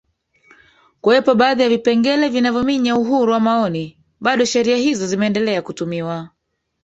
kuwepo baadhi ya vipengele vinavyo minya uhuru wa maoni bado sheria hizo zimeendelea kutumiwa